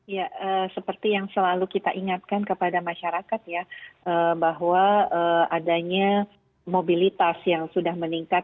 ya seperti yang selalu kita ingatkan kepada masyarakat ya bahwa adanya mobilitas yang sudah meningkat